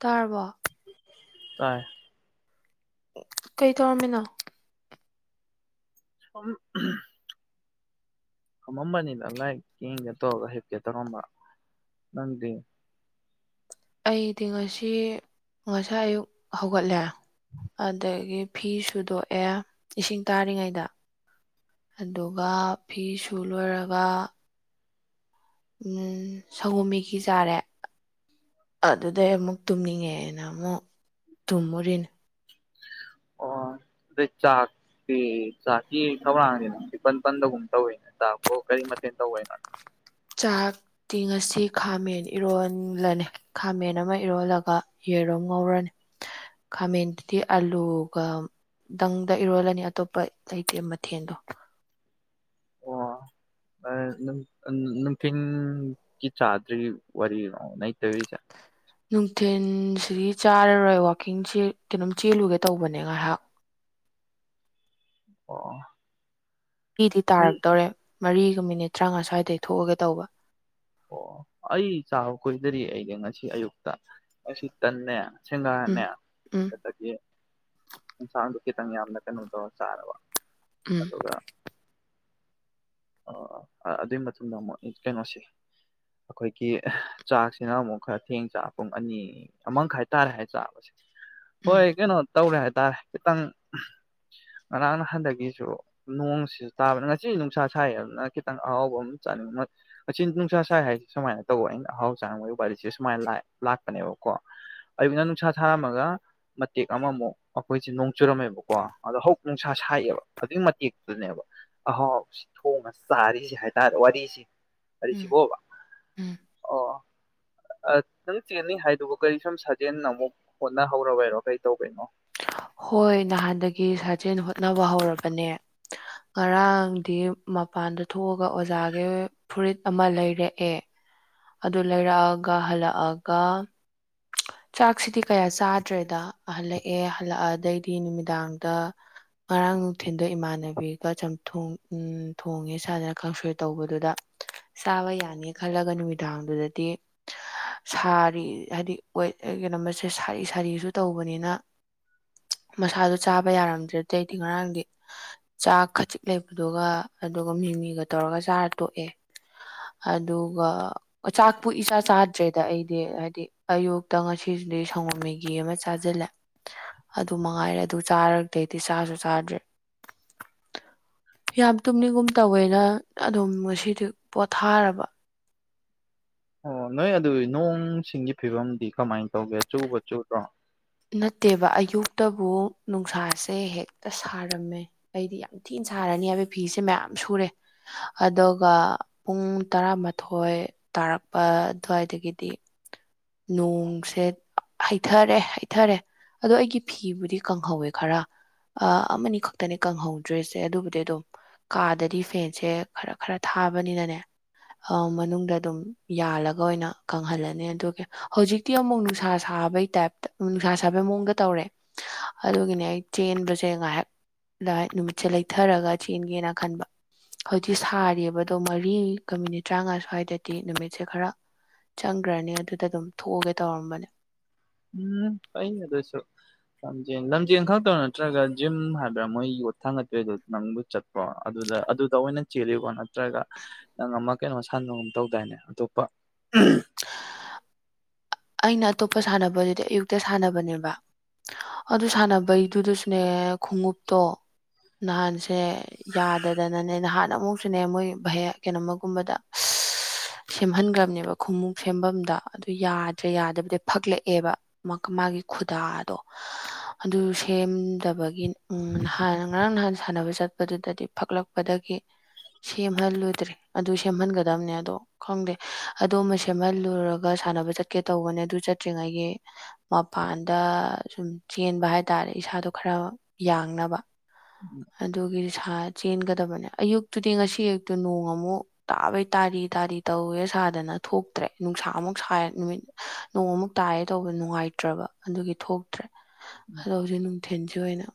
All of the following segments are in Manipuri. ꯇꯥꯔꯕꯣ ꯇꯥꯏ ꯀꯩ ꯇꯧꯔꯝꯃꯤꯅꯣ ꯁꯨꯝ ꯎꯝ ꯐꯝꯃꯝꯕꯅꯤꯗ ꯂꯥꯏꯛ ꯌꯦꯡꯒꯦ ꯇꯧꯔꯒ ꯍꯤꯞꯀꯦ ꯇꯧꯔꯝꯕ ꯅꯪꯗꯤ ꯑꯩꯗꯤ ꯉꯁꯤ ꯉꯁꯥꯏ ꯑꯌꯨꯛ ꯍꯧꯒꯠꯂꯦ ꯑꯗꯒꯤ ꯐꯤ ꯁꯨꯗꯣꯛꯑꯦ ꯏꯁꯤꯡ ꯇꯥꯔꯤꯉꯩꯗ ꯑꯗꯨꯒ ꯐꯤꯁꯨ ꯂꯣꯏꯔꯒ ꯎꯝ ꯁꯪꯒꯣꯝ ꯃꯦꯒꯤ ꯆꯥꯔꯦ ꯑꯗꯨꯗꯩ ꯑꯃꯨꯛ ꯇꯨꯝꯅꯤꯡꯉꯦꯅ ꯑꯃꯨꯛ ꯇꯨꯝꯃꯨꯔꯤꯅꯦ ꯑꯣ ꯑꯗꯨꯢ ꯆꯥꯛ [unintelligible] ꯢꯄꯟ ꯄꯟꯗꯒꯨꯝ ꯇꯧꯔꯦꯅ ꯆꯥꯛꯄꯨ ꯀꯔꯤ ꯃꯊꯦꯜ ꯇꯧꯔꯦꯕ ꯆꯥꯛꯇꯤ ꯉꯁꯤ ꯈꯥꯃꯦꯟ ꯏꯔꯣꯟꯕꯅꯦ ꯈꯥꯃꯦꯟ ꯑꯃ ꯏꯔꯣꯜꯂꯒ ꯌꯦꯔꯨꯝ ꯉꯧꯔꯅꯤ ꯈꯥꯃꯦꯟꯗꯨꯗꯤ ꯑꯂꯨꯒ ꯗꯪꯗ ꯏꯔꯣꯜꯂꯅꯤ ꯑꯇꯣꯞꯄ ꯂꯩꯇꯦ ꯃꯊꯦꯟꯗꯣ [unintelligible] ꯀꯤ ꯆꯥꯗ꯭ꯔꯤ ꯋꯥꯔꯤ ꯅꯩ ꯇꯧꯔꯤꯁꯦ ꯅꯨꯡꯊꯤꯟꯁꯤꯗꯤ ꯆꯥꯔꯔꯣꯏ ꯋꯥꯛꯀꯤꯡꯁꯦ ꯀꯩꯅꯣꯝ ꯆꯦꯜꯂꯨꯒꯦ ꯇꯧꯕꯅꯦ ꯉꯥꯏꯍꯥꯛ ꯑꯣ ꯇꯤꯗꯤ ꯑꯩ ꯇꯥꯔꯛꯇꯧꯔꯦ ꯃꯔꯤꯒ ꯃꯤꯅꯤꯠ ꯇ꯭ꯔꯥꯉꯥ ꯁ꯭ꯋꯥꯏꯗꯗꯒꯤ ꯊꯣꯛꯑꯒꯦ ꯇꯧꯕ ꯑꯣ ꯑꯩ ꯆꯥꯕ ꯀꯣꯏꯗꯔꯤ ꯑꯩꯅꯦ ꯉꯁꯤ ꯑꯌꯨꯛꯇ ꯉꯁꯤ ꯇꯟꯅꯦ ꯎꯝ ꯁꯦꯡꯍꯥꯔꯅꯦ ꯎꯝ ꯑꯗꯨꯗꯒꯤ ꯑꯦꯟꯁꯥꯡꯗꯨ ꯈꯤꯇꯪ ꯌꯥꯝꯅ ꯀꯩꯅꯣ ꯇꯧꯔ ꯆꯥꯔꯕ ꯎꯝ ꯑꯗꯨꯒ ꯑꯣ ꯑꯗꯨꯏ ꯃꯇꯨꯡꯗ ꯑꯃꯨꯛ ꯀꯩꯅꯣꯁꯤ ꯑꯈꯣꯏꯀꯤ ꯆꯥꯛꯁꯤꯅ ꯑꯃꯨꯛ ꯈꯔ ꯊꯦꯡ ꯆꯥ ꯄꯨꯡ ꯑꯅꯤ ꯑꯃꯪꯈꯥꯏ ꯇꯥꯔꯦ ꯍꯥꯏ ꯆꯥꯕꯁꯦ ꯎꯝ ꯍꯣꯏ ꯀꯩꯅꯣꯝ ꯇꯧꯔꯦ ꯍꯥꯏꯇꯥꯔꯦ ꯈꯤꯇꯪ ꯉꯔꯥꯡ ꯅꯍꯥꯟꯗꯒꯤꯁꯨ ꯅꯣꯡꯁꯤꯁꯨ ꯇꯥꯕꯅꯤ ꯉꯁꯤ ꯅꯨꯡꯁꯥ ꯁꯥ ꯌꯦꯟꯂ ꯈꯤꯇꯪ ꯑꯍꯥꯎꯕ ꯑꯃ ꯆꯥꯅꯤꯡꯕ ꯑꯆꯤꯟ ꯅꯨꯡꯁꯥ ꯁꯥꯏ ꯍꯥꯏꯁꯦ ꯁꯨꯃꯥꯏꯅ ꯇꯧꯕ ꯑꯩꯅ ꯑꯍꯥꯎ ꯆꯥꯕꯒꯤ ꯋꯥꯔꯤꯁꯦ ꯁꯨꯃꯥꯏꯅ ꯂꯥꯛꯄꯅꯦꯕꯀꯣ ꯑꯌꯨꯛꯅ ꯅꯨꯡꯁꯥ ꯁꯥꯔꯝꯃꯒ ꯃꯇꯦꯛ ꯑꯃꯃꯨꯛ ꯑꯈꯣꯏꯆꯦ ꯅꯣꯡ ꯆꯨꯔꯝꯃꯦꯕꯀꯣ ꯑꯗꯣ ꯍꯧꯖꯤꯛ ꯅꯨꯡꯁꯥ ꯁꯥꯏꯑꯦꯕ ꯑꯗꯨꯢ ꯃꯇꯦꯛꯇꯨꯅꯦꯕ ꯑꯍꯥꯎ ꯁꯤ ꯊꯣꯡꯉ ꯆꯥꯔꯤꯁꯦ ꯍꯥꯏꯇꯥꯔꯦ ꯋꯥꯔꯤꯁꯤ ꯎꯝ ꯋꯥꯁꯤꯕꯣꯕ ꯎꯝ ꯑꯣ ꯅꯪ ꯆꯦꯟꯅꯤ ꯍꯥꯏꯗꯨꯕꯨ ꯀꯔꯤ ꯁꯨꯝ ꯁꯥꯖꯦꯜ ꯑꯃꯨꯛ ꯍꯣꯠꯅꯍꯧꯔꯕꯩꯔꯣ ꯀꯔꯤ ꯇꯧꯕꯩꯅꯣ ꯍꯣꯏ ꯅꯍꯥꯟꯗꯒꯤ ꯁꯥꯖꯦꯜ ꯍꯣꯠꯅꯕ ꯍꯧꯔꯕꯅꯦ ꯉꯔꯥꯡꯗꯤ ꯃꯄꯥꯟꯗ ꯊꯣꯛꯑꯒ ꯑꯣꯖꯥꯒꯤ ꯐꯨꯔꯤꯠ ꯑꯃ ꯂꯩꯔꯛꯑꯦ ꯑꯗꯨ ꯂꯩꯔꯛꯑꯒ ꯍꯜꯂꯛꯑꯒ ꯆꯥꯛꯁꯤꯗꯤ ꯀꯌꯥ ꯆꯥꯗ꯭ꯔꯦꯗ ꯍꯜꯂꯛꯑꯦ ꯍꯜꯂꯛꯑꯗꯩꯗꯤ ꯅꯨꯃꯤꯗꯥꯡꯗ ꯉꯔꯥꯡ ꯅꯨꯡꯊꯤꯟꯗꯣ ꯏꯃꯥꯟꯅꯕꯤꯒ ꯆꯝꯊꯣꯡ ꯊꯣꯡꯉꯦ ꯁꯥꯅ ꯈꯪꯁꯣꯏ ꯇꯧꯕꯗꯨꯗ ꯆꯥꯕ ꯌꯥꯅꯤ ꯈꯜꯂꯒ ꯅꯨꯃꯤꯗꯥꯡꯗꯨꯗꯗꯤ ꯁꯥꯔꯤ ꯍꯥꯏꯗꯤ ꯍꯣꯏ ꯀꯩꯅꯣꯃꯁꯦ ꯁꯥꯔꯤ ꯁꯥꯔꯤꯁꯨ ꯇꯧꯕꯅꯤꯅ ꯃꯁꯥꯗꯨ ꯆꯥꯕ ꯌꯥꯔꯝꯗ꯭ꯔꯦ ꯑꯇꯩꯗꯤ ꯉꯔꯥꯡꯗꯤ ꯆꯥꯛ ꯈꯖꯤꯛ ꯂꯩꯕꯗꯨꯒ ꯑꯗꯨꯒ ꯃꯤꯃꯤꯒ ꯇꯧꯔꯒ ꯆꯥꯔ ꯇꯣꯛꯑꯦ ꯑꯗꯨꯒ ꯑꯆꯥꯛꯄꯨ ꯏꯆꯥ ꯆꯥꯗ꯭ꯔꯦꯗ ꯑꯩꯗꯤ ꯍꯥꯏꯗꯤ ꯑꯌꯨꯛꯇ ꯉꯁꯤꯗꯤ ꯁꯪꯒꯣꯝ ꯃꯦꯒꯤ ꯒꯤ ꯑꯃ ꯆꯥꯖꯤꯜꯂꯦ꯫ ꯑꯗꯨ ꯃꯉꯥꯏꯔꯦ ꯑꯗꯨ ꯆꯥꯔꯛꯇꯩꯗꯤ ꯆꯥꯖꯨ ꯆꯥꯗ꯭ꯔꯤ꯫ ꯌꯥꯝ ꯇꯨꯝꯅꯤꯡꯒꯨꯝ ꯇꯧꯋꯦꯅ ꯑꯗꯨꯝ ꯉꯁꯤꯗꯤ ꯄꯣꯊꯥꯔꯕ꯫ ꯑꯣ ꯅꯣꯏ ꯑꯗꯨꯏ ꯅꯣꯡꯁꯤꯡꯒꯤ ꯐꯤꯕꯝꯗꯤ ꯀꯃꯥꯏꯅ ꯇꯧꯒꯦ ꯆꯨꯕ ꯆꯨꯗ꯭ꯔꯣ꯫ ꯅꯠꯇꯦꯕ ꯑꯌꯨꯛꯇꯕꯨ ꯅꯨꯡꯁꯥꯁꯦ ꯍꯦꯛꯇ ꯁꯥꯔꯝꯃꯦ꯫ ꯑꯩꯗꯤ ꯌꯥꯝ ꯊꯤꯟ ꯁꯥꯔꯅꯤ ꯍꯥꯢꯕꯩ ꯐꯤꯁꯦ ꯃꯌꯥꯝ ꯁꯨꯔꯦ꯫ ꯑꯗꯣꯒ ꯄꯨꯡ ꯇꯔꯥꯃꯥꯊꯣꯏ ꯇꯥꯔꯛꯄ ꯑꯗ꯭ꯋꯥꯏꯗꯒꯤꯗꯤ ꯅꯣꯡꯁꯦ ꯍꯩꯊꯔꯦ ꯍꯩ ꯊꯔꯦ ꯑꯗꯣ ꯑꯩꯒꯤ ꯐꯤꯕꯨꯗꯤ ꯀꯪꯍꯧꯋꯦ ꯈꯔ꯫ ꯑꯥ ꯑꯃꯅꯤ ꯈꯛꯇꯅꯦ ꯀꯪꯍꯧꯗ꯭ꯔꯤꯁꯦ ꯑꯗꯨꯕꯨꯗꯤ ꯑꯗꯨꯝ ꯀꯥꯗꯗꯤ ꯐꯦꯟꯁꯦ ꯈꯔ ꯈꯔ ꯊꯥꯕꯅꯤꯅꯅꯦ ꯑꯥ ꯃꯅꯨꯡꯗ ꯑꯗꯨꯝ ꯌꯥꯜꯂꯒ ꯑꯣꯏꯅ ꯀꯪꯍꯜꯂꯅꯤ ꯑꯗꯨꯒꯤ ꯍꯧꯖꯤꯛ ꯇꯤ ꯑꯃꯨꯛ ꯅꯨꯡꯁꯥ ꯁꯥꯕꯩ ꯇꯥꯏꯞꯇ ꯎꯝ ꯅꯨꯡꯁꯥ ꯁꯥꯕꯩ ꯃꯑꯣꯡꯗ ꯇꯧꯔꯦ꯫ ꯑꯗꯨꯒꯤꯅꯦ ꯑꯩ ꯆꯦꯟꯕꯁꯦ ꯉꯥꯏꯍꯛ꯫ ꯂꯥꯢꯠ ꯅꯨꯃꯤꯠꯁꯦ ꯂꯩꯊꯔꯒ ꯆꯦꯟꯒꯦꯅ ꯈꯟꯕ꯫ ꯍꯧꯖꯤꯛ ꯁꯥꯔꯤꯌꯦꯕꯗꯣ ꯃꯔꯤꯒ ꯃꯤꯅꯤꯠ ꯇꯔꯥꯉꯥ ꯁ꯭ꯋꯥꯏꯗꯗꯤ ꯅꯨꯃꯤꯠꯁꯦ ꯈꯔ ꯆꯪꯒ꯭ꯔꯅꯤ ꯑꯗꯨꯗ ꯑꯗꯨꯝ ꯊꯣꯛꯑꯒꯦ ꯇꯧꯔꯝꯕꯅꯦ꯫ ꯎꯝ ꯄꯩꯅ ꯗꯨꯁꯨ ꯂꯝꯖꯦꯟ ꯂꯝꯖꯦꯟ ꯈꯛꯇꯔꯣ ꯅꯠꯇ꯭ꯔꯒ ꯖꯤꯝ ꯍꯥꯏꯕ꯭ꯔꯥ ꯃꯣꯏ ꯌꯣꯠꯊꯥꯡꯒꯠꯄꯩꯗꯣ ꯅꯪꯕꯨꯢ ꯆꯠꯄ꯭ꯔꯣ ꯑꯗꯨꯗ ꯑꯗꯨꯗ ꯑꯣꯏꯅ ꯆꯦꯜꯂꯤꯀꯣ ꯅꯠꯇ꯭ꯔꯒ ꯅꯪ ꯑꯃ ꯀꯩꯅꯣ ꯁꯟꯅꯒꯨꯝ ꯇꯧꯗꯥꯏꯅꯦ ꯑꯇꯣꯞꯄ ꯎꯝ꯫ ꯑꯩꯅ ꯑꯇꯣꯞꯄ ꯁꯥꯟꯅꯕꯗꯨꯗꯤ ꯑꯌꯨꯛꯇ ꯁꯥꯟꯅꯕꯅꯦꯕ ꯑꯗꯨ ꯁꯥꯟꯅꯕꯩꯗꯨꯗꯁꯨꯅꯦ ꯈꯨꯡꯎꯞꯇꯣ ꯅꯍꯥꯟꯁꯦ ꯌꯥꯗꯗꯅꯅꯦ ꯅꯍꯥꯟ ꯑꯃꯨꯛꯁꯨꯅꯦ ꯃꯣꯏ ꯚꯩꯌ ꯀꯩꯅꯣꯝꯃꯒꯨꯝꯕꯗ ꯁꯦꯝꯍꯟꯒꯝꯕꯅꯦꯕ ꯈꯨꯝꯃꯨꯛ ꯁꯦꯝꯕꯝꯗ ꯑꯗꯨ ꯌꯥꯗ꯭ꯔꯦ ꯌꯥꯗꯕꯗꯩ ꯐꯛꯂꯛꯑꯦꯕ꯫ ꯃꯛ ꯃꯥꯒꯤ ꯈꯨꯗꯥꯗꯣ ꯑꯗꯨ ꯁꯦꯝꯗꯕꯒꯤ ꯎꯝ ꯅꯍꯥꯟ ꯉꯔꯥꯡ ꯅꯍꯥꯟ ꯁꯥꯟꯅꯕ ꯆꯠꯄꯗꯨꯗꯗꯤ ꯐꯛꯂꯛꯄꯗꯒꯤ ꯁꯦꯝꯍꯜꯂꯨꯗ꯭ꯔꯦ ꯑꯗꯨ ꯁꯦꯝꯍꯟꯒꯗꯝꯅꯦ ꯑꯗꯣ ꯈꯪꯗꯦ ꯑꯗꯨ ꯑꯃ ꯁꯦꯝꯃꯜꯂꯨꯔꯒ ꯁꯥꯟꯅꯕ ꯆꯠꯀꯦ ꯇꯧꯕꯅꯦ ꯑꯗꯨ ꯆꯠꯇ꯭ꯔꯤꯉꯩꯒꯤ ꯃꯄꯥꯟꯗ ꯁꯨꯝ ꯆꯦꯟꯕ ꯍꯥꯏ ꯇꯥꯔꯦ ꯏꯁꯥꯗꯣ ꯈꯔ ꯌꯥꯡꯅꯕ꯫ [unintelligible] ꯑꯗꯨꯒꯤ ꯁꯥ ꯆꯦꯟꯒꯗꯕꯅꯦ ꯑꯌꯨꯛꯇꯨꯗꯤ ꯉꯁꯤ ꯑꯌꯨꯛꯇꯨ ꯅꯣꯡ ꯑꯃꯨꯛ ꯇꯥꯕꯩ ꯇꯥꯔꯤ ꯇꯥꯔꯤ ꯇꯧꯋꯦ ꯁꯥꯗꯅ ꯊꯣꯛꯇ꯭ꯔꯦ ꯅꯨꯡꯁꯥꯃꯨꯛ ꯁꯥꯏ ꯅꯨꯃꯤꯠ ꯅꯣꯡ ꯑꯃꯨꯛ ꯇꯥꯏꯌꯦ ꯇꯧꯕꯗ ꯅꯨꯡꯉꯥꯏꯇ꯭ꯔꯕ ꯑꯗꯨꯒꯤ ꯊꯣꯛꯇ꯭ꯔꯦ ꯑꯗꯣ ꯍꯧꯖꯤꯛ ꯅꯨꯡ ꯊꯤꯟꯁꯤ ꯑꯣꯏꯅ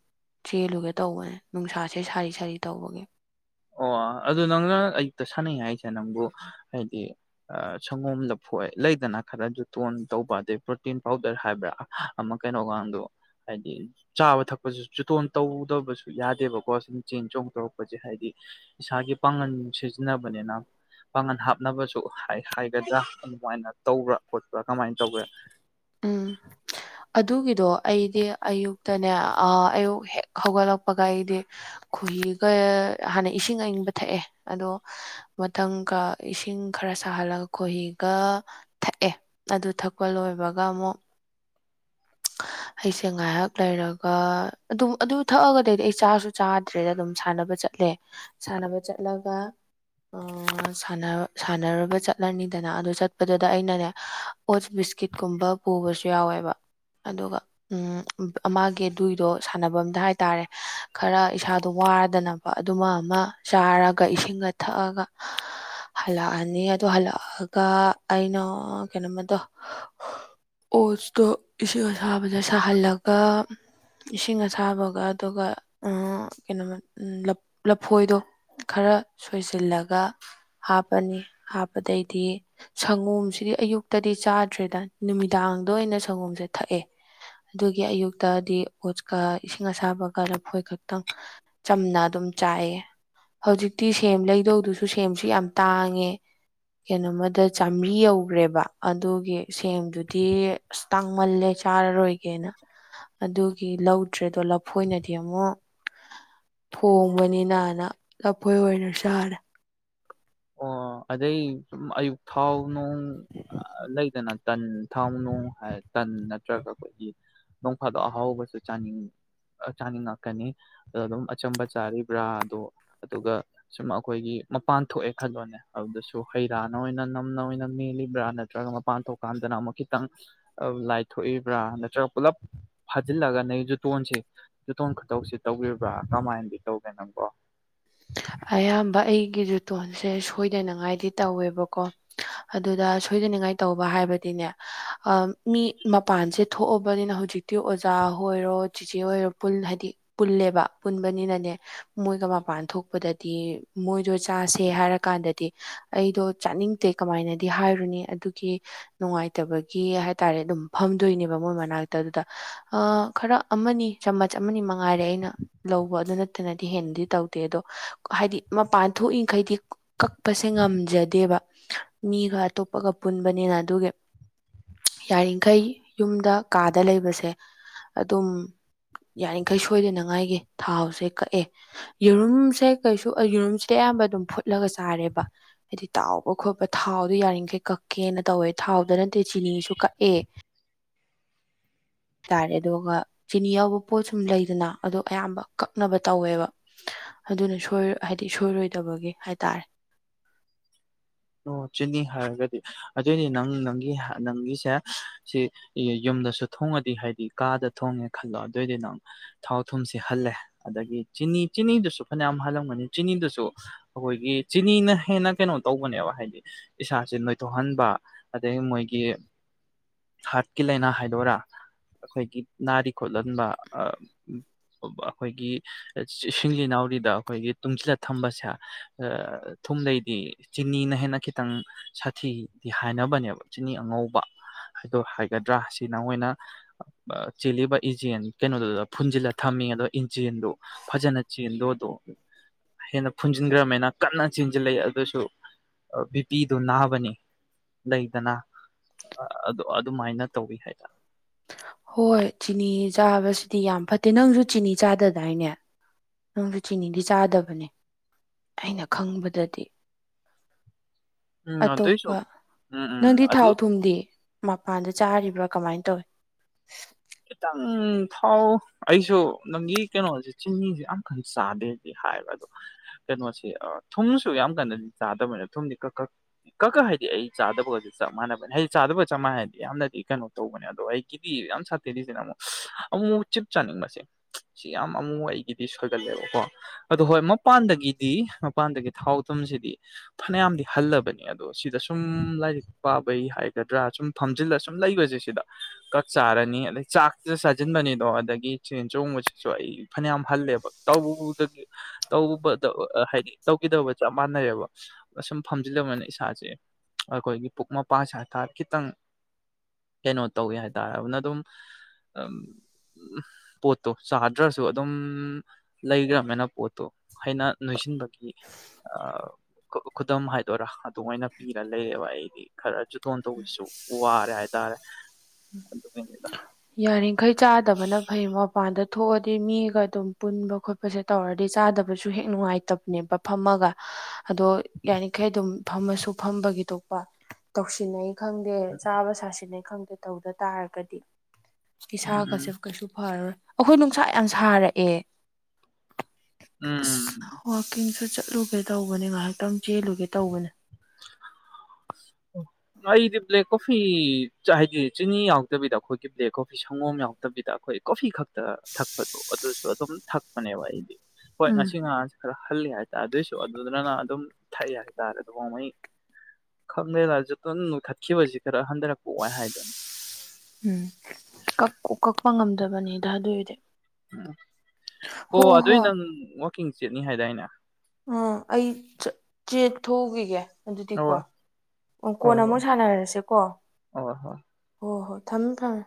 ꯆꯦꯜꯂꯨꯒꯦ ꯇꯧꯕꯅꯦ ꯅꯨꯡꯁꯥꯁꯦ ꯁꯥꯔꯤ ꯁꯥꯔꯤ ꯇꯧꯕꯒꯤ꯫ ꯑꯣ ꯑꯗꯨ ꯅꯪꯅ ꯑꯌꯨꯛꯇ ꯁꯥꯟꯅꯩ ꯍꯥꯏꯁꯦ ꯅꯪꯕꯨ ꯍꯥꯏꯗꯤ ꯑꯥ ꯁꯪꯒꯣꯝ ꯂꯐꯣꯏ ꯂꯩꯗꯅ ꯈꯔ ꯖꯨꯇꯣꯟ ꯇꯧꯕ ꯑꯗꯩ ꯄ꯭ꯔꯣꯇꯤꯟ ꯄꯥꯎꯗꯔ ꯍꯥꯏꯕ꯭ꯔꯥ ꯑꯃ ꯀꯩꯅꯣꯀꯥꯟꯗꯣ ꯍꯥꯏꯗꯤ ꯆꯥꯕ ꯊꯛꯄꯁꯨ ꯖꯨꯇꯣꯟ ꯇꯧꯗꯕꯁꯨ ꯌꯥꯗꯦꯕꯀꯣ ꯁꯨꯝ ꯆꯦꯟ ꯆꯣꯡ ꯇꯧꯔꯛꯄꯖꯦ ꯍꯥꯏꯗꯤ ꯏꯁꯥꯒꯤ ꯄꯥꯡꯒꯟ ꯁꯤꯖꯟꯅꯕꯅꯦꯅ꯫ ꯄꯥꯒꯟ ꯍꯥꯞꯅꯕꯁꯨ ꯍꯥꯏ ꯍꯥꯏꯒꯗ꯭ꯔꯥ ꯑꯗꯨꯃꯥꯏꯅ ꯇꯧꯕ꯭ꯔꯥ ꯈꯣꯠꯄ꯭ꯔ ꯀꯃꯥꯏꯟ ꯇꯧꯒꯦ꯫ ꯎꯝ꯫ ꯑꯗꯨꯒꯤꯗꯣ ꯑꯩꯗꯤ ꯑꯌꯨꯛꯇꯅꯦ ꯑꯥ ꯑꯌꯨꯛ ꯍꯦꯛ ꯍꯧꯒꯠꯂꯛꯄꯒ ꯑꯩꯗꯤ ꯈꯨꯍꯤꯒ ꯍꯥꯟꯅ ꯏꯁꯤꯡ ꯑꯏꯪꯕ ꯊꯛꯑꯦ ꯑꯗꯣ ꯃꯊꯪꯒ ꯏꯁꯤꯡ ꯈꯔ ꯁꯥꯍꯜꯂꯒ ꯈꯣꯍꯤꯒ ꯊꯛꯑꯦ ꯑꯗꯨ ꯊꯛꯄ ꯂꯣꯏꯕꯒ ꯑꯃꯨꯛ [unintelligible] ꯑꯩꯁꯦ ꯉꯥꯏꯍꯥꯛ ꯂꯩꯔꯒ ꯑꯗꯨꯝ ꯑꯗꯨ ꯊꯛꯑꯒꯗꯩꯗꯤ ꯑꯩ ꯆꯥꯁꯨ ꯆꯥꯗ꯭ꯔꯦꯗ ꯑꯗꯨꯝ ꯁꯥꯟꯅꯕ ꯆꯠꯂꯦ ꯁꯥꯟꯅꯕ ꯆꯠꯂꯒ ꯑꯥ ꯁꯥꯟꯅ ꯁꯥꯟꯅꯔꯨꯕ ꯆꯠꯂꯅꯤꯗꯅ ꯑꯗꯨ ꯆꯠꯄꯗꯨꯗ ꯑꯩꯅꯅꯦ ꯑꯣꯠꯁ ꯕꯤꯁꯀꯤꯠꯀꯨꯝꯕ ꯄꯨꯕꯁꯨ ꯌꯥꯎꯋꯦꯕ ꯑꯗꯨꯒ ꯎꯝ ꯑꯃꯥꯒꯤ ꯑꯗꯨꯏꯗꯣ ꯁꯥꯟꯅꯕꯝꯗ ꯍꯥꯏꯇꯥꯔꯦ ꯈꯔ ꯏꯁꯥꯗꯣ ꯋꯥꯗꯅ ꯑꯗꯨꯃ ꯑꯃ ꯆꯥꯔꯒ ꯏꯁꯤꯡꯒ ꯊꯛꯑꯒ ꯍꯜꯂꯑꯅꯤ ꯑꯗꯨ ꯍꯜꯂꯑꯒ ꯑꯩꯅ ꯀꯩꯅꯣꯃꯗꯣ ꯑꯣꯠꯁꯇꯣ ꯏꯁꯤꯡ ꯑꯁꯥꯕꯗ ꯁꯥꯍꯜꯂꯒ ꯏꯁꯤꯡ ꯑꯁꯥꯕꯒ ꯑꯗꯨꯒ ꯑꯥ ꯀꯩꯅꯣꯃ ꯎꯝ ꯂꯞ ꯂꯐꯣꯏꯗꯣ ꯈꯔ ꯁꯣꯏꯖꯤꯜꯂꯒ ꯍꯥꯞꯄꯅꯤ ꯍꯥꯞꯄꯗꯩꯗꯤ ꯁꯪꯒꯣꯝꯁꯤꯗꯤ ꯑꯌꯨꯛꯇꯗꯤ ꯆꯥꯗ꯭ꯔꯦꯗ ꯅꯨꯃꯤꯗꯥꯡꯗ ꯑꯣꯏꯅ ꯁꯪꯒꯣꯝꯁꯦ ꯊꯛꯑꯦ ꯑꯗꯨꯒꯤ ꯑꯌꯨꯛꯇꯗꯤ ꯑꯣꯠꯁꯀ ꯏꯁꯤꯡ ꯑꯁꯥꯕꯒ ꯂꯐꯣꯏ ꯈꯛꯇꯪ ꯆꯝꯅ ꯑꯗꯨꯝ ꯆꯥꯏꯑꯦ ꯍꯧꯖꯤꯛꯇꯤ ꯁꯦꯝ ꯂꯩꯗꯧꯗꯨꯁꯨ ꯁꯦꯝꯁꯨ ꯌꯥꯝ ꯇꯥꯡꯉꯦ ꯀꯩꯅꯣꯃꯗ ꯆꯥꯝꯔꯤ ꯌꯧꯈ꯭ꯔꯦꯕ ꯑꯗꯨꯒꯤ ꯁꯦꯝꯗꯨꯗꯤ ꯑꯁ ꯇꯥꯡ ꯃꯜꯂꯦ ꯆꯥꯔꯔꯣꯏꯒꯦꯅ ꯑꯗꯨ ꯒꯤ ꯂꯧꯗ꯭ꯔꯦꯗꯣ ꯂꯐꯣꯏꯅꯗꯤ ꯑꯃꯨꯛ ꯊꯣꯡꯕꯅꯤꯅꯅ ꯂꯐꯣꯏ ꯑꯣꯏꯅ ꯆꯥꯔꯦ ꯑꯣ ꯑꯗꯩ ꯑꯌꯨꯛ ꯊꯥꯎ ꯅꯨꯡ ꯑ ꯂꯩꯗꯅ ꯇꯟ ꯊꯥꯎꯅꯨꯡ ꯍꯥꯏ ꯇꯟ ꯅꯠꯇ꯭ꯔꯒ ꯑꯩꯈꯣꯏꯒꯤ ꯅꯣꯡ ꯐꯥꯗꯣꯛ ꯑꯍꯥꯎꯕꯁꯨ ꯆꯥꯅꯤꯡ ꯆꯥꯅꯤꯡꯉꯛꯀꯅꯤ ꯑꯗꯨꯝ ꯑꯆꯝꯕ ꯆꯥꯔꯤꯕ꯭ꯔꯥ ꯑꯗꯣ ꯑꯗꯨꯒ ꯁꯨꯝ ꯑꯩꯈꯣꯏꯒꯤ ꯃꯄꯥꯟ ꯊꯣꯛꯑꯦ ꯈꯜꯂꯣꯅꯦ ꯑꯗꯨꯗꯁꯨ ꯍꯩ ꯔꯥꯅ ꯑꯣꯏꯅ ꯅꯝꯅ ꯑꯣꯏꯅ ꯃꯦꯜꯂꯤꯕ꯭ꯔꯥ ꯅꯠꯇ꯭ꯔꯒ ꯃꯄꯥꯟ ꯊꯣꯛꯀꯥꯟꯗꯅ ꯑꯃꯨꯛ ꯈꯤꯇꯪ ꯂꯥꯏꯊꯣꯛꯏꯕ꯭ꯔꯥ ꯅꯠꯇ꯭ꯔꯒ ꯄꯨꯜꯂꯞ ꯐꯥꯖꯤꯜꯂꯒ ꯅꯩꯖꯨꯇꯣꯟꯁꯦ ꯖꯨꯇꯣꯟ ꯈꯨꯇꯧꯁꯤ ꯇꯧꯕꯤꯕ꯭ꯔꯥ ꯀꯃꯥꯏꯅꯗꯤ ꯇꯧꯒꯦ ꯅꯪꯕꯣ ꯑꯌꯥꯝꯕ ꯑꯩꯒꯤ ꯖꯨꯇꯣꯟꯁꯦ ꯁꯣꯏꯗꯅꯉꯥꯏꯗꯤ ꯇꯧꯋꯦꯕꯀꯣ ꯑꯗꯨꯗ ꯁꯣꯏꯗꯅꯤꯉꯥꯏ ꯇꯧꯕ ꯍꯥꯏꯕꯗꯤꯅꯦ ꯑ ꯃꯤ ꯃꯄꯥꯟꯁꯦ ꯊꯣꯛꯑꯕꯅꯤꯅ ꯍꯧꯖꯤꯛꯇꯤ ꯑꯣꯖꯥ ꯑꯣꯏꯔꯣ ꯆꯤꯆꯦ ꯑꯣꯏꯔꯣ ꯄꯨꯜ ꯍꯥꯏꯗꯤ ꯄꯨꯜꯂꯦꯕ ꯄꯨꯟꯕꯅꯤꯅꯅꯦ ꯃꯣꯏꯒ ꯃꯄꯥꯟ ꯊꯣꯛ ꯄꯗꯗꯤ ꯃꯣꯏꯗꯣ ꯆꯥꯁꯦ ꯍꯥꯏꯔ ꯀꯥꯟꯗꯗꯤ ꯑꯩꯗꯣ ꯆꯥꯅꯤꯡꯇꯦ ꯀꯃꯥꯏꯅꯗꯤ ꯍꯥꯏꯔꯨꯅꯤ ꯑꯗꯨꯒꯤ ꯅꯨꯡꯉꯥꯏꯇꯕꯒꯤ ꯍꯥꯏ ꯇꯔꯦ ꯑꯗꯨꯝ ꯐꯝꯗꯣꯏꯅꯦꯕ ꯃꯣꯏ ꯃꯅꯥꯛꯇ ꯑꯗꯨꯗ ꯑ ꯈꯔ ꯑꯃꯅꯤ ꯆꯥꯃꯆ ꯑꯃꯅꯤ ꯃꯉꯥꯏꯔꯦ ꯑꯩꯅ ꯂꯧꯕ ꯑꯗꯨ ꯅꯠꯇꯅꯗꯤ ꯍꯦꯟꯅꯗꯤ ꯇꯧꯗꯦ ꯑꯗꯣ ꯍꯥꯏꯗꯤ ꯃꯄꯥꯟ ꯊꯣꯛꯏꯈꯩꯗꯤ ꯀꯛꯄꯁꯦ ꯉꯝꯖꯗꯦꯕ ꯃꯤꯒ ꯑꯇꯣꯞꯄꯒ ꯄꯨꯟꯕꯅꯤꯅ ꯑꯗꯨꯒꯤ ꯌꯥꯔꯤꯈꯩ ꯌꯨꯝꯗ ꯀꯥꯗ ꯂꯩꯕꯁꯦ ꯑꯗꯨꯝ ꯌꯥꯔꯤꯈꯩ ꯁꯣꯏꯗꯅꯉꯥꯏꯒꯤ ꯊꯥꯎꯁꯦ ꯀꯛꯑꯦ ꯌꯦꯔꯨꯝ ꯁꯦ ꯀꯩꯁꯨ ꯌꯦꯔꯨꯝꯁꯦ ꯑꯌꯥꯝꯕ ꯑꯗꯨꯝ ꯐꯨꯠꯂꯒ ꯆꯥꯔꯦꯕ ꯍꯥꯏꯗꯤ ꯇꯥꯎꯕ ꯈꯣꯠꯄ ꯊꯥꯎꯗꯣ ꯌꯥꯔꯤꯃꯈꯩ ꯀꯛꯀꯦꯅ ꯇꯧꯋꯦ ꯊꯥꯎꯗ ꯅꯠꯇꯦ ꯆꯤꯅꯤꯁꯨ ꯀꯛꯑꯦ [inaudible] ꯍꯥꯏꯇꯥꯔꯦ ꯑꯗꯨꯒ ꯆꯤꯅꯤ ꯌꯥꯎꯕ ꯄꯣꯠ ꯁꯨꯝ ꯂꯩꯗꯅ ꯑꯗꯣ ꯑꯌꯥꯝꯕ ꯀꯛꯅꯕ ꯇꯧꯋꯦꯕ ꯑꯗꯨꯅ ꯁꯣꯏ ꯍꯥꯏꯗꯤ ꯁꯣꯏꯔꯣꯏꯗꯕꯒꯤ ꯍꯥꯏꯇꯥꯔꯦ ꯑꯣ ꯆꯤꯅꯤ ꯍꯥꯏꯔꯒꯗꯤ ꯑꯗꯨꯏꯅꯤ ꯅꯪ ꯅꯪꯒꯤ ꯅꯪꯒꯤꯁꯦ ꯁꯤ ꯌꯨꯝꯗꯁꯨ ꯊꯣꯡꯉꯗꯤ ꯍꯥꯏꯗꯤ ꯀꯥꯗ ꯊꯣꯡꯉꯦ ꯈꯜꯂꯣ ꯑꯗꯨꯑꯣꯏꯗꯤ ꯅꯪ ꯊꯥꯎ ꯊꯨꯝꯁꯤ ꯍꯜꯂꯦ ꯑꯗꯒꯤ ꯆꯤꯅꯤ ꯆꯤꯅꯤꯗꯨꯁꯨ ꯐꯅꯌꯥꯝ ꯍꯜꯂꯝꯒꯅꯤ ꯆꯤꯅꯤꯗꯨꯁꯨ ꯑꯩꯈꯣꯏꯒꯤ ꯆꯤꯅꯤꯅ ꯍꯦꯟꯅ ꯀꯩꯅꯣ ꯇꯧꯕꯅꯦꯕ ꯍꯥꯏꯗꯤ ꯏꯁꯥꯁꯦ ꯅꯣꯏꯊꯣꯛꯍꯟꯕ ꯑꯗꯒꯤ ꯃꯣꯏꯒꯤ ꯍꯥꯔꯠꯀꯤ ꯂꯩꯏꯅ ꯍꯥꯏꯗꯣꯏꯔꯥ ꯑꯩꯈꯣꯏꯒꯤ ꯅꯥꯔꯤ ꯈꯣꯠꯍꯟꯕ ꯑꯩꯈꯣꯏꯒꯤ ꯁꯤꯡꯂꯤ ꯅꯥꯎꯔꯤꯗ ꯑꯩꯈꯣꯏꯒꯤ ꯇꯨꯡꯁꯤꯜꯂ ꯊꯝꯕꯁꯦ ꯑꯥ ꯊꯨꯝꯗꯩꯗꯤ ꯆꯤꯅꯤꯅ ꯍꯦꯟ ꯅ ꯈꯤꯇꯪ ꯁꯥꯊꯤꯗꯤ ꯍꯥꯏꯅꯕꯅꯦꯕ ꯆꯤꯅꯤ ꯑꯉꯧꯕ ꯍꯥꯏꯗꯣ ꯍꯥꯏꯒꯗ꯭ꯔꯥ ꯁꯤꯅ ꯑꯣꯏꯅ ꯆꯦꯜꯂꯤꯕ ꯏꯟꯆꯦꯟ ꯀꯩꯅꯣꯗꯨꯗ ꯐꯨꯟꯖꯤꯜꯂ ꯊꯝꯃꯤ ꯑꯗꯣ ꯏꯟꯖꯦꯟꯗꯨ ꯐꯖꯅ ꯆꯦꯟꯗꯣꯗꯣ ꯍꯦꯟꯅ ꯐꯨꯟꯖꯤꯟꯈ꯭ꯔꯅꯤꯅ ꯀꯟꯅ ꯆꯦꯟꯁꯤꯜꯂꯩ ꯑꯗꯨꯁꯨ ꯑ ꯕꯤꯄꯤꯗꯨ ꯅꯥꯕꯅꯦ ꯂꯩꯗꯅ ꯑ ꯑꯗꯣ ꯑꯗꯨꯃꯥꯏꯅ ꯇꯧꯏ ꯍꯥꯏꯗ ꯍꯣꯏ ꯆꯤꯅꯤ ꯆꯥꯕꯁꯤꯗꯤ ꯌꯥꯝ ꯐꯠꯇꯦ ꯅꯪꯁꯨ ꯆꯤꯅꯤ ꯆꯥꯗꯗꯥꯏꯅꯦ ꯅꯪꯁꯨ ꯆꯤꯅꯤꯗꯤ ꯆꯥꯗꯕꯅꯦ ꯑꯩꯅ ꯈꯪꯕꯗꯗꯤ ꯎꯝ ꯑꯗꯨꯏꯁꯨ ꯑꯇꯣꯞꯄ ꯎꯝ ꯎꯝ ꯅꯪꯗꯤ ꯑꯗꯨ ꯊꯥꯎ ꯊꯨꯝꯗꯤ ꯃꯄꯥꯟꯗ ꯆꯥꯔꯤꯕ꯭ꯔꯥ ꯀꯃꯥꯏꯅ ꯇꯧꯏ ꯈꯤꯇꯪ ꯊꯥꯎ ꯑꯩꯁꯨ ꯅꯪꯒꯤ ꯀꯩꯅꯣꯁꯦ ꯆꯤꯅꯤꯖꯦ ꯌꯥꯝꯀꯟ ꯆꯥꯗꯦꯗꯤ ꯍꯥꯏꯕ ꯑꯗꯣ ꯀꯩꯅꯣꯁꯤ ꯑꯥ ꯊꯨꯝꯁꯨ ꯌꯥꯝ ꯀꯟꯅꯗꯤ ꯆꯥꯗꯝꯅꯤꯅ ꯊꯨꯝꯗꯤ ꯀꯛꯀꯛ ꯀꯀꯥ ꯍꯥꯏꯗꯤ ꯑꯩ ꯆꯥꯗꯕꯑꯣꯗꯤ ꯆꯞ ꯃꯥꯟꯅꯕꯅꯦ ꯍꯥꯏꯗꯤ ꯆꯥꯗꯕꯒ ꯆꯞ ꯃꯥꯟꯅꯩ ꯍꯥꯏꯗꯤ ꯌꯥꯝꯅꯗꯤ ꯀꯩꯅꯣ ꯇꯧꯕꯅꯦ ꯑꯗꯣ ꯑꯩꯒꯤꯗꯤ ꯌꯥꯝ ꯁꯥꯠ ꯇꯪꯗꯤꯁꯤꯅ ꯃꯨꯛ ꯑꯃꯨꯃꯨꯛ ꯆꯤꯞ ꯆꯥꯅꯤꯡꯕꯁꯦ ꯁꯤ ꯌꯥꯝ ꯑꯃꯨ ꯃꯨꯛ ꯑꯩꯒꯤꯗꯤ ꯁꯣꯏꯒꯜꯂꯦꯕꯀꯣ ꯑꯗꯣ ꯍꯣꯏ ꯃꯄꯥꯟꯗꯒꯤꯗꯤ ꯃꯄꯥꯟꯗꯒꯤ ꯊꯥꯎ ꯊꯨꯝꯁꯤꯗꯤ ꯐꯅꯌꯥꯝꯗꯤ ꯍꯜꯂꯕꯅꯤ ꯑꯗꯣ ꯁꯤꯗ ꯁꯨꯝ ꯂꯥꯏꯔꯤꯛ ꯄꯥꯕꯩ ꯍꯥꯏꯒꯗ꯭ꯔꯥ ꯁꯨꯝ ꯐꯝꯖꯤꯜꯂ ꯁꯨꯝ ꯂꯩꯕꯖꯦ ꯁꯤꯗ ꯀꯛ ꯆꯥꯔꯅꯤ ꯑꯗꯩ ꯆꯥꯛꯗ ꯆꯥꯖꯤꯟꯕꯅꯤꯗꯣ ꯑꯗꯒꯤ ꯆꯦꯟ ꯆꯣꯡꯕꯁꯤꯁꯨ ꯑꯩ ꯐꯅꯌꯥꯝ ꯍꯜꯂꯦꯕ ꯇꯧꯕꯕꯨꯗꯒꯤ ꯇꯧꯕꯗꯥ ꯑꯣꯑꯥ ꯍꯥꯏꯗꯤ ꯇꯧꯒꯤꯗꯕ ꯆꯞ ꯃꯥꯟꯅꯔꯦꯕ ꯑꯁꯨꯝ ꯐꯝꯖꯤꯜꯂꯕꯅꯦ ꯏꯁꯥꯖꯦ ꯑꯩꯈꯣꯏꯒꯤ ꯄꯨꯛ ꯃꯄꯥ ꯁꯥꯏꯊꯥ ꯈꯤꯇꯪ ꯀꯩꯅꯣ ꯇꯧꯋꯦ ꯍꯥꯏꯇꯥꯔ ꯑꯅꯗꯨꯝ ꯑꯝ ꯄꯣꯠꯇꯣ ꯆꯥꯗ꯭ꯔꯁꯨ ꯑꯗꯨꯝ ꯂꯩꯒ꯭ꯔꯃꯦꯅ ꯄꯣꯠꯇꯣ ꯍꯩꯅ ꯅꯣꯏꯁꯤꯟꯕꯒꯤ ꯑꯥꯎ ꯀ ꯈꯨꯗꯝ ꯍꯥꯏꯗꯣꯔꯥ ꯑꯗꯨꯃꯥꯏꯅ ꯄꯤꯔ ꯂꯩꯔꯦꯕ ꯑꯩꯗꯤ ꯈꯔ ꯖꯨꯇꯣꯟ ꯇꯧꯕꯁꯨ ꯋꯥꯔꯦ ꯍꯥꯏꯇꯥꯔꯦ ꯌꯥꯔꯤꯈꯩ ꯆꯥꯗꯕꯅ ꯐꯩ ꯃꯄꯥꯟꯗ ꯊꯣꯛꯑꯗꯤ ꯃꯤꯒ ꯑꯗꯨꯝ ꯄꯨꯟꯕ ꯈꯣꯠ ꯈꯣꯁꯦ ꯇꯧꯔꯗꯤ ꯆꯥꯗꯕꯁꯨ ꯍꯦꯛ ꯅꯨꯡꯉꯥꯏꯇꯝꯅꯦꯕ ꯐꯝꯃꯒ ꯑꯗꯣ ꯌꯥꯔꯤꯈꯩ ꯑꯗꯨꯝ ꯐꯝꯃꯁꯨ ꯐꯝꯕꯒꯤ ꯊꯣꯛꯄ ꯇꯧꯁꯤꯟꯅꯩ ꯈꯪꯗꯦ ꯆꯥꯕ ꯁꯥꯁꯤꯟꯅꯩ ꯈꯪꯗꯦ ꯇꯧꯗ ꯇꯥꯔꯒꯗꯤ ꯏꯁꯥꯒꯁꯦ ꯎꯝ ꯀꯩꯁꯨ ꯐꯔꯔꯣꯏ ꯑꯩꯈꯣꯏ ꯅꯨꯡꯁꯥ ꯌꯥꯝ ꯁꯥꯔꯛꯑꯦ ꯎꯝ ꯀꯤꯡꯁꯨ ꯆꯠꯂꯨꯒꯦ ꯇꯧꯕꯅꯦ ꯉꯥꯍꯥꯛꯇꯪ ꯆꯦꯜꯂꯨꯒꯦ ꯇꯧꯕꯅꯦ [inaudible] ꯑꯩꯗꯤ ꯕ꯭ꯂꯦꯛ ꯀꯣꯐꯤ ꯆꯥ ꯍꯥꯏꯗꯤ ꯆꯤꯅꯤ ꯌꯥꯎꯗꯕꯤꯗ ꯑꯩꯈꯣꯏꯒꯤ ꯕ꯭ꯂꯦꯛ ꯀꯣꯐꯤ ꯁꯪꯒꯣꯝ ꯌꯥꯎ ꯇꯕꯤꯗ ꯑꯩꯈꯣꯏ ꯀꯣꯐꯤ ꯈꯛꯇ ꯊꯛꯄꯗꯣ ꯑꯗꯨꯁꯨ ꯑꯗꯨꯝ ꯊꯛꯄꯅꯦꯕ ꯑꯩꯗꯤ ꯍꯣꯏ ꯎꯝ ꯉꯁꯤ ꯉꯍꯥꯟꯁꯤ ꯈꯔ ꯍꯜꯂꯤ ꯍꯥꯏꯇꯥ ꯑꯗꯨꯏꯁꯨ ꯑꯗꯨꯗꯨꯅ ꯑꯗꯨꯝ ꯊꯛꯏ ꯍꯥꯏꯇꯥꯔꯦ ꯑꯗꯨ ꯅꯣꯡꯃꯩ ꯈꯪꯗꯦꯗ ꯖꯨꯇꯨꯟ ꯅꯣꯏꯈꯠꯈꯤꯕꯁꯤ ꯈꯔ ꯍꯟꯗꯔꯛꯄ ꯋꯥꯏ ꯍꯥꯏꯕꯅꯤ ꯎꯝ ꯀꯛ ꯎ ꯀꯛꯄ ꯉꯝꯗ꯭ꯔꯕꯅꯤꯗ ꯑꯗꯨꯏꯗꯤ ꯎꯝ ꯍꯣ ꯑꯗꯨꯏ ꯅꯪ ꯋꯥꯛꯀꯤꯡ ꯆꯦꯠꯅꯤ ꯍꯥꯏꯗꯥꯏꯅꯦ ꯑꯥ ꯑꯩ ꯆꯠ ꯆꯦꯠ ꯊꯣꯛꯎꯒꯤꯒꯦ ꯑꯗꯨꯗꯤꯀꯣ ꯍꯣꯏ ꯑꯣ ꯍꯣꯏ ꯀꯣꯟꯅ ꯍꯣꯏ ꯑꯃꯨꯛ ꯁꯥꯟꯅꯔꯁꯦꯀꯣ ꯍꯣꯏ ꯍꯣꯏ ꯍꯣ ꯍꯣ ꯊꯝꯃꯦ ꯊꯝꯃꯦ